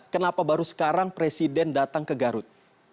kenapa baru sekarang presiden datang ke garut